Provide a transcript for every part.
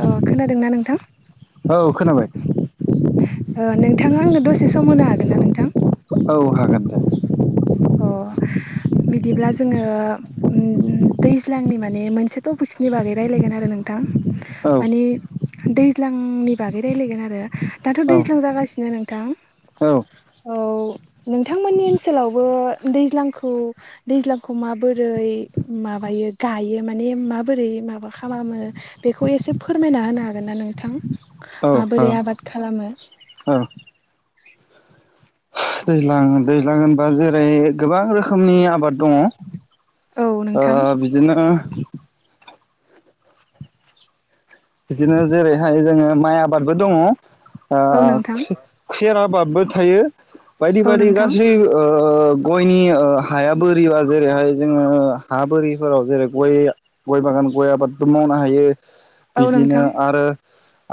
अ खोनादोंना नोंथां? औ खोनाबाय नोंथाङा आंनो दसे सम होनो हागोन ना नोंथां? औ हागोन । अ । बिदिब्ला जोङो दैज्लांनि माने मोनसे टपिक्सनि बागै रायलायगोन आरो नोंथां औ । माने दैज्लांनि बागै रायज्लायगोन आरो दाथ' औ दैज्लां जागासिनो । दा [inaudible] ओनसोलावबो दैज्लांखौ दैज्लांखौ माबोरै माबायो गायो माने ए माबोरै माबा खालामो बेखौ एसे फोरमायना होनो हागोन ना नोंथां? औ माबोरै आबाद खालामो? [inaudible] दैज्लां दैज्लां होनबा जेरै गोबां रोखोमनि आबाद । दङ औ ओ नोंथां बिदिनो, बिदिनो जेरैहाय जोङो माइ आबादबो दङ औ नोंथां ओ खुसेर आबाद। बो थायो बायदि औ बायदि नोंथां गासै ओ, गयनि ओ हाया बोरिबा जेरैहाय जोङो हा बोरिफोराव जेरै गय गय बागान। गय आबादबो मावनो हायो औ बिदिनो नोंथां आरो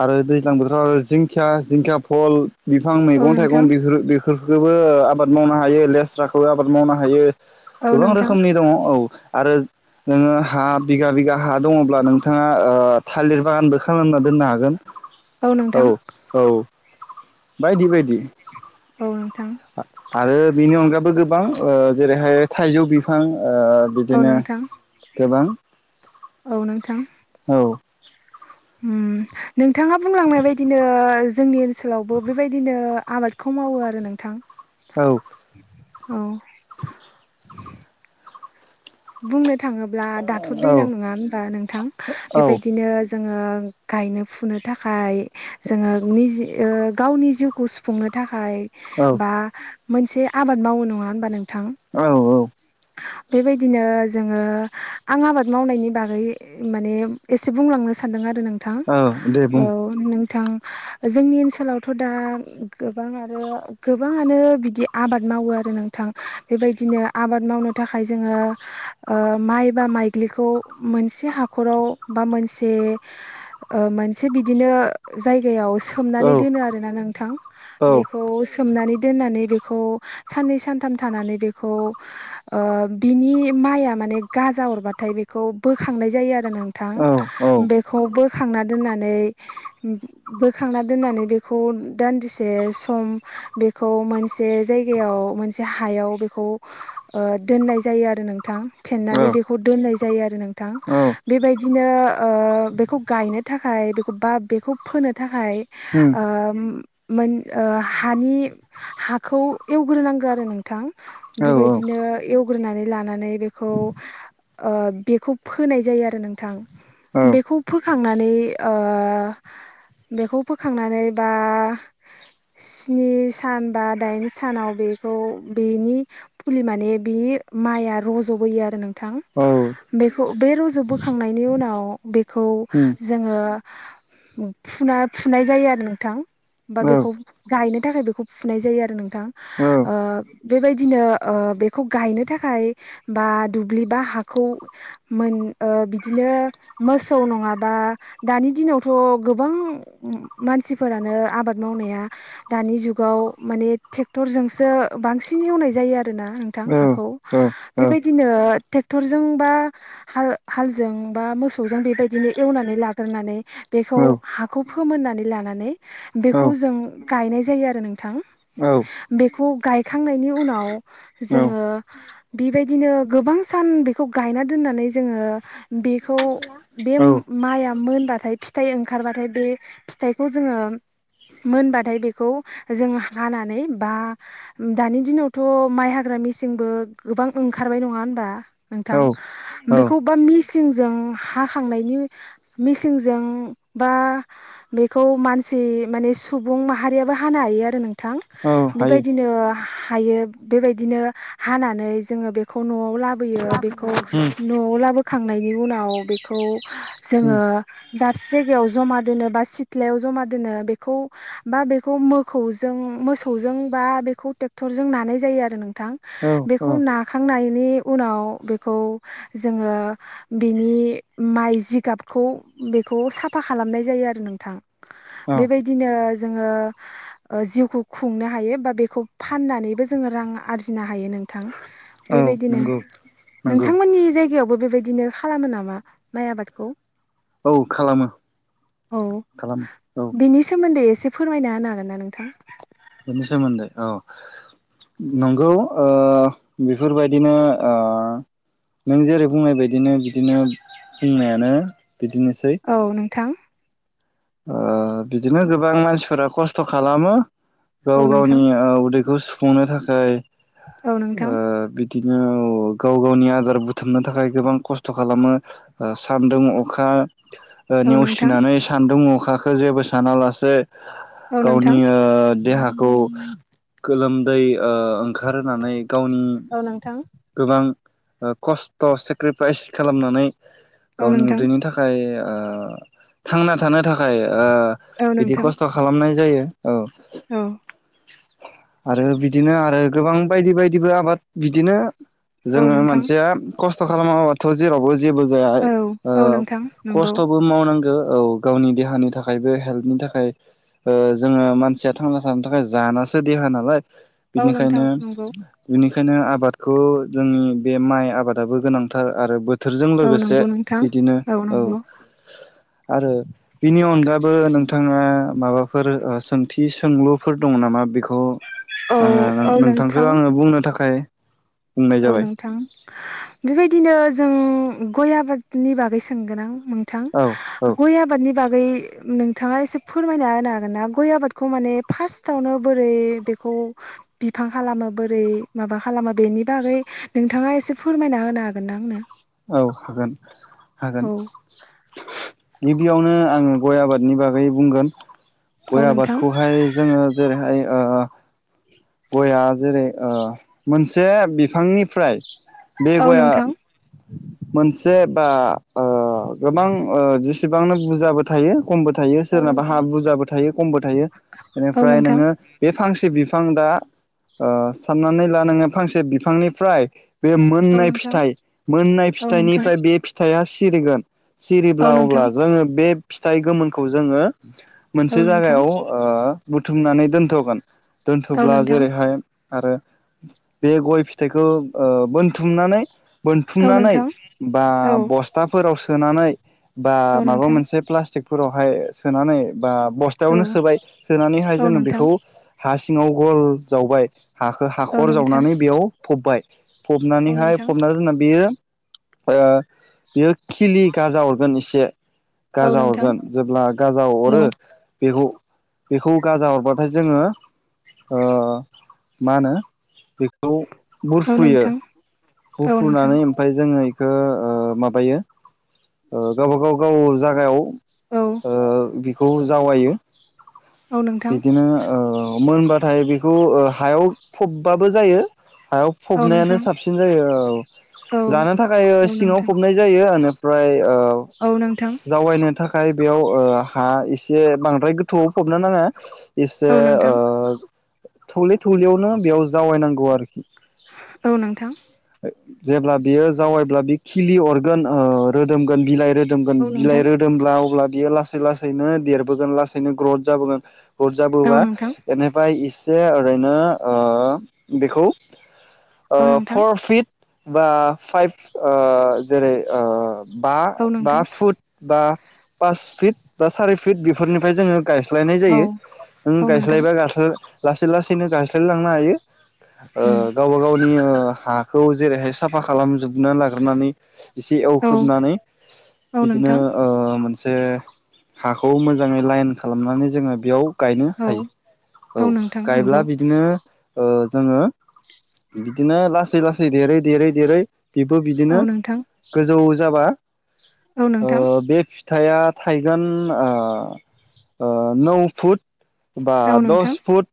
आरो दैज्लां बोथोराव आरो जिंखिया जिंखिया फल बिफां औ मैगं नोंथां थाइगं बेफोरो बे फोरखोबो आबाद मावनो हायो लेस्राखौबो आबाद मावनो हायो औ । गोबां नोंथां रोखोमनि दङ औ । आरो नोङो हा बिगा बिगा हा दङब्ला नोंथाङा ओ थालिर बागानबो खालामना दोननो हागोन औ औ बायदि बायदि औ नोंथां आरो बेनि अनगाबो गोबां ओ जेरैहाय थाइजौ बिफां ओ औ बिदिनो नोंथां गोबां औ नोंथां औ ओम नोंथाङा बुंलांनाय बायदिनो जोंनि ओनसोलावबो बेबायदिनो, आबादखौ मावो आरो नोंथां, औ, औ, बुंनो थाङोब्ला दाथ' औ दैजलां नङा होनबा नोंथां औ बेबायदिनो जोङो गायनो फुनो थाखाय जोङो निजि ओ गावनि जिउखौ सुफुंनो थाख थाखाय बा मोनसे आबाद मावो नङा होनबा नोंथां? औ औ बेबायदि बिदिनो जोङो आं आबाद मावनायनि बागै माने एसे बुंलांनो सानदों आरो नोंथां औ दे औ बुं नों नोंथां जोंनि ओनसोलावथ' दा गोबां आरो गोबाङानो बिदि आबाद । मावो आरो नोंथां बेबायदिनो आबाद मावनो थाखाय जोङो । ओ माइ बा माइग्लिखौ मोनसे हाखराव बा मोनसे । ओ मोनसे बिदिनो जायगायाव सो औ सोमनानै दोनो आरोना नोंथां औ बेखौ सोमनानै दोननानै बे खौ साननै सानथाम थानानै बेखौ ओ बिनि माइआ गाजा हरबाथाय बेखौ बोखांनाय जायो आरो नोंथां औ बेखौ बो बोखांना दोननानै बोखांना दोननानै बेखौ दान्दिसे सम बेखौ मोनसे जायगायाव मोनसे हायाव बेखौ ओ दोननाय जायो आरो नों, थां औ फेन्नानै बेखौ दोननाय जायो आरो नोंथां औ बेबायदिनो ओ बेखौ गायनो थाखाय बेखौ बा बेखौ फोनो थाखाय उम ओ - मोन ओ हानि हाखौ एवग्रोनांगौ आरो नोंथां औ बेबायदिनो, ओ एवग्रोनानै लानानै बेखौ ओ बेखौ फोनाय जायो आरो नोंथां औ । बेखौ फोखांनानै ओ बेखौ फोखांनानै बा स्नि सान बा दाइन सानाव बेखौ बेनि फुलि माने बे बे माइआ रज जबोयो आरो नोंथां औ बेखौ बे रजबोखांनायनि उनाव बेखौ उम जोंङो ओ फुना फुनाय जायो आरो नोंथां । बा औ बेखौ गायनो थाखाय बेखौ फुनाय जायो आरो नोंथां औ ओ बेबायदिनो ओ बेखौ गायनो थाखाय बा दुब्लिबा हाखौ मोन ओ बिदिनो मोसौ नङाबा दानि दिनावथ गोबां मानसिफोरानो आबाद मावनाया दानि जुगाव गाव माने ट्रेक्टरजोंसो बांसिन एवनाय जायो आरोना नोंथां औ हाखौ औ । औ बेबायदिनो ट्रेक्टरजों बा हाल हालजों बा मोसौजों बेबायदिनो एवनानै लाग्रोनानै बेखौ हाखौ फोमोननानै लानानै बेखौ जों गायनाय जायो आरो । नोंथां बेखौ गायखांनायनि उनाव जोंङो बेबायदिनो गोबां सान बेखौ गायना दोननानै जोंङो बेखौ बे औ माइआ मोनबाथाय फिथाइ ओंखारबाथाय बे फिथाइखौ जोंङो मोनबाथाय बेखौ जों हानानै बा दानि दिनावथ माइ हाग्रा मिसिंबो गोबां ओंखारबाय नङा होनबा नोंथां औ औ बेखौ बा मिसिंजों हाखांनायनि मिसिंजों बा बेखौ मानसि माने सुबुं माहारि याबो हानो हायो आरो नोंथां औ हायो बेबायदिनो हायो बेबायदिनो हाना नै जोंङो बेखौ न'आव लाबोयो बेखौ उम न'आव लाबो खांनायनि उनाव बेखौ उम जोंङो दाबसे जायगायाव जमा दोनो बा सिथ्लायाव जमा दोनो बेखौ बा बे मोखौजों मोसौजों बा बेखौ ट्रेक्टरजों नानाय जायो आरो नोंथां औ । बेखौ नाखांनायनि उनाव बेखौ जोंङो बिनि मा आइ जिगाबखौ बेखौ साफा खालामनाय जायो आरो नोंथां औ । बेबायदिनो जोंङो ओ जिउखौ खुंनो हायो बा बेखौ फाननानैबो जोंङो रां रां आरजिनो हायो नोंथां औ बेबायदिनो नंगौ नंगौ नोंथांमोननि जायगायावबो बेबायदिनो खालामो नामा माइ आबादखौ? औ खालामो खालामो औ । बिनि सोमोन्दै एसे फोरमायना होनो हागोन ना नोंथां? बिनि सोमोन्दै औ । नंगौ ओ बेफोरबायदिनो ओ नों जेरै बुंनाय बायदिनो बिदिनो बुंनायानो बिदिनोसै औ नोंथां । ओ बिदिनो गोबां मानसिफोरा खस्थ खालामो । औ गाव नोंथां गावनि उदैखौ सुफुंनो थाखाय औ नोंथां ओ बि बिदिनो औ गाव गावनि आदार बुथुमनो थाखाय गोबां खस्थ खालामो ओ सान्दुं अखा ओ औ नोंथां नेवसिनानै सान्दुं अखाखौ जेबो सानालासे गावनि ओ देहाखौ गोलोमदै ओ ओंखारहोनानै गावनि औ नोंथां गोबां खस्थ' सेक्रिफाइस खालामनानै औ गावनि नोंथां उदैनि थाखाय ओ थांना थानो थाखाय ओ औ नोंथां औ बिदि नोंथां खस्थ' खालामनाय जायो औ । औ । आरो बिदिनो आरो गोबां बायदि बायदिबो आबाद बिदिनो औ जोङो नोंथां मानसिया खस्थ' खालामाबाथ' जेरावबो जेबो जाया औ ओ औ नोंथां नंगौ खस्थ'बो मावनांगौ औ । गावनि देहानि थाखायबो हेल्थनि थाखाय ओह जोङो मानसिया थांना थानो थाखाय जानोसो देहा नालाय औ नोंथां बिनिखायनो नंगौ बिनि बेखायनो आबादखौ जोंनि बे माइ आबादाबो गोनांथार आरो बोथोर बोथोरजों औ लोगोसे नंगौ नोंथां बिदिनो औ आरो बिनि अनगाबो नोंथाङा माबाफोर ओ सोंथि सोंलुफोर दङ नामा बेखौ औ आङो औ नोंथांखौ नोंथां आङो बुंनो थाखाय बुंनाय औ जाबाय नोंथां बेबायदिनो जों गय आबादनि बागै सोंगोन आं नोंथां औ औ गय आबादनि बागै नों थांङा एसे फोरमायना होनो हागोन ना गय आबादखौ माने फार्स्टावनो बोरै बेखौ बिफां खालामो बोरै माबा खालामो बेनि बागै नोंथाङा एसे फोरमायना होनो हागोन ना आंनो औ हागोन हागोन औ गिबियावनो आङो गय आबादनि बागै बुंगोन औ गय नोंथां आबादखौहाय जोङो जेरैहाय ओह गया जेरै ओह मोनसे बिफांनिफ्राय बे औ गया नोंथां मोनसे बा ओह गोबां ओह जेसेबांनो बुरजाबो थायो खमबो थायो औ सोरनाबा हा नोंथां बुरजाबो थायो खमबो थायो औ बेनिफ्राय नोंथां नोङो बे फांसे बिफां दा ओह साननानै ला नोङो फांसे बिफांनिफ्राय बे औ मोननाय नोंथां फिथाइ मोननाय औ नोंथां फिथाइनिफ्राय बे फिथाइया सिरिगोन सिरिब्ला औ अब्ला नोंथां जोङो बे फिथाइ गोमोनखौ जोङो औ मोनसे नोंथां जायागायाव ओह बुथुमनानै दोनथ'गोन औ ब्ला नोंथां जेरैहाय आरो बे गय फिथाइखौ ओह बोनथुमनानै औ बोनथुमनानै नोंथां बा औ बस्थाफोराव सोनानै बा औ माबा नोंथां मोनसे प्लास्टिकफोरावहाय सोनानै बा औ बस्थायावनो सोबाय सोनानैहाय औ जोङो नोंथां बेखौ हा सिङाव गल जावबाय हाखो औ हाखर नोंथां जावनानै बेयाव फबबाय औ फबनानैहाय नोंथां फबना दोननानै बेयो ओ बियो खिलि गाजा हरगोन एसे औ गाजा नोंथां हरगोन जेब्ला गाजा हेलौ हरो बेखौ बेखौ गाजा हरबाथाय जोङो ओ मा होनो बेखौ औ बुरफुयो नोंथां औ नोंथां बुरफुनानै ओमफ्राय जों जोङो बेखौ ओ माबायो ओ गावबागाव गाव जागायाव औ ओ बेखौ जावायो औ नोंथां बिदिनो ओ मोनबाथाय बेखौ ओ हायाव फबबाबो जायो हायाव औ फबनायानो नोंथां साबसिन जायो औ औ जानो थाखाय औ सिङाव नोंथां फबनाय जायो फ्राय ओ औ नोंथां जावायनो थाखाय बेयाव ओ हा एसे बांद्राय गोथौआव फबनो नाङा एसे औ ओ नोंथां थौले थौलेयावनो बेयाव जावायनांगौ आरो औ नोंथां जेब्ला बियो जावायब्ला बे खिलि अर गोन ओ रोदोमगोन बिलाइ रोदोमगोन औ बिलाइ नोंथां रोदोमब्ला अब्ला बियो लासै लासैनो देरबोगोन लासैनो ग्रथ जाबोगोन औ हरजाबोबा नोंथां बेनिफ्राय इसे ओरैनो ओह बेखौ औ ओ नोंथां फर फिट बा फाइभ ओ जेरै ओ बा औ बा नोंथां फुट बा पास फिट बा सारि फिट बेफोरनिफ्राय जोङो गाय स्लायनाय औ जायो नों औ नोंथां गायस्लायबा लासो लासै लासैनो गायस्लायलांनो हायो उम ओ गावबा गावनि ओ हा खौ जेरैहाय साफा खालामजोबनो लाग्रोनानै एसे औ एवख्रोबनानै औ बिदिनो नोंथां ओ मोनसे हाखौ मोजाङै लाइन खालामनानै जोङो बेयाव गायनो औ हायो औ नोंथां नंगौ गायब्ला बिदिनो ओ जोङो बिदिनो लासै लासै देरै देरै देरै बेबो औ बिदिनो नोंथां गोजौ जाबा औ ओ नोंथां। बे फिथाइया थाइगोन ओ ओ नौ फुट बा औ नोंथां दस फुट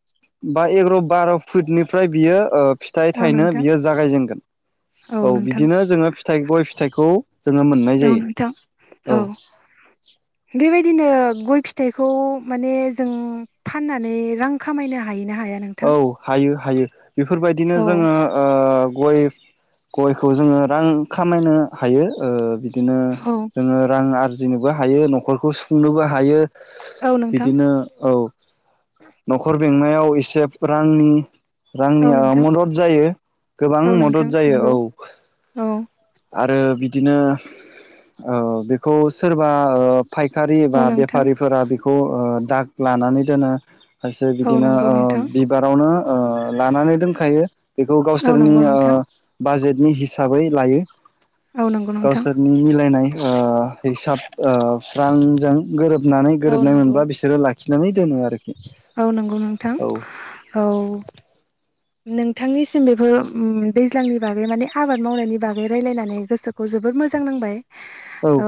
बा एग्र' बार' फुटनिफ्राय बियो ओ फिथाइ औ थाइनो नोंथां बियो जागायजेनगोन। औ बिदिनो जोङो फिथाइ गय फिथाइखौ जोङो मोननाय औ जायो। नोंथां औ बेबायदिनो गर फिथाइखौ माने जों फाननानै रां खामायनो हायो ना हाया औ नोंथां हायो हायो बेफोरबायदिनो औ जोङो ओ गय गयखौ जोङो रां खामायनो हायो ओ बि दिनो औ जोङो रां आरजिनोबो हायो न'खरखौ सुफुंनोबो हायो औ नोंथां बिदिनो औ न'खर बेंनायाव इसे रां औ रांनिया नोंथां मदद जायो गोबां औ नोंथां मदद जायो नंगौ औ औ आरो बिदिनो ओ बेखौ सोरबा ओ फायखारि औ बा नोंथां बेफारिफोरा बेखौ ओ दाग लानानै दोनो खायसे औ बिदिनो नंगौ ओ नोंथां बिबारावनो ओ लानानै दोनखायो। बेखौ औ गावसोरनि नंगौ ओ नोंथां बाजेटनि हिसाबै लायो। औ नंगौ नोंथां गावसोरनि मिलायनाय ओ हिसाब ओ रांजों गोरोब नानै औ गोरोबनाय नंगौ मोनबा बिसोरो लाखिनानै दोनो आरोखि औ नंगौ नोंथां [inaudible] औ [inaudible] औ नोंथांनिसिम बेफोर उम दैज्लांनि बागै माने आबाद मावनायनि बागै रायलायनानै गोसोखौ जोब बोर मोजां नांबाय [unintelligible] औ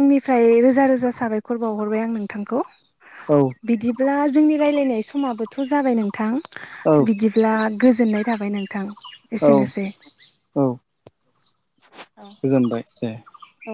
आंनिफ्राय रोजा रोजा साबायखर बावहरबाय आं नोंथांखौ औ बिदिब्ला जोंनि रायलायनाय समाबोथ' जाबाय नोंथां औ बिदिब्ला गोजोननाय थाबाय नोंथां। औ एसेनोसै औ औ गोजोनबाय दे। औ